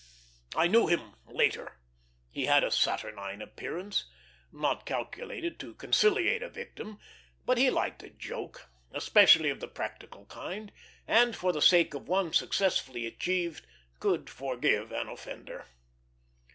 I knew him later; he had a saturnine appearance, not calculated to conciliate a victim, but he liked a joke, especially of the practical kind, and for the sake of one successfully achieved could forgive an offender.